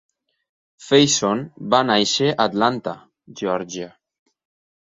Fason va néixer a Atlanta, Georgia.